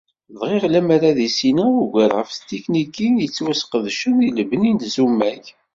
Bɣiɣ lemmer ad issineɣ ugar ɣef tetiknikin yettwasqedcen deg lebni n tzumag.